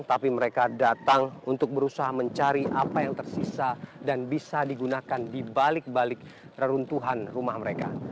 tapi mereka datang untuk berusaha mencari apa yang tersisa dan bisa digunakan di balik balik reruntuhan rumah mereka